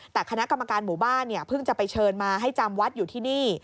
แต่คณะกรรมการหมู่บ้านเนี่ยเพิ่งจะไปเชิญมาให้จำวัดอยู่ที่นี่